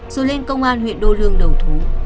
rồi lên công an huyện đô lương đầu thú